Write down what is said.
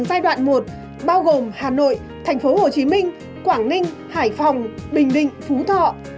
từ giai đoạn một bao gồm hà nội tp hcm quảng ninh hải phòng bình định phú thọ